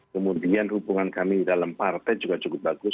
kemudian hubungan kami dalam partai juga cukup bagus